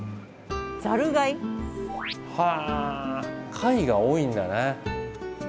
貝が多いんだね。